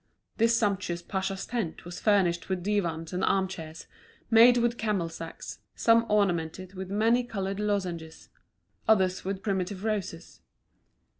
This sumptuous pacha's tent was furnished with divans and arm chairs, made with camel sacks, some ornamented with many coloured lozenges, others with primitive roses.